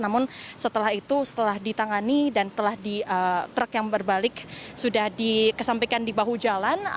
namun setelah itu setelah ditangani dan telah di truk yang berbalik sudah dikesampikan di bahu jalan